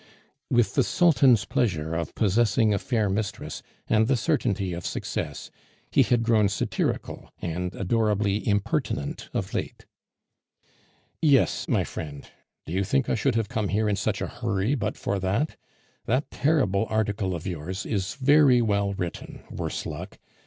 With the sultan's pleasure of possessing a fair mistress, and the certainty of success, he had grown satirical and adorably impertinent of late. "Yes, my friend; do you think I should have come here in such a hurry but for that? That terrible article of yours is very well written, worse luck.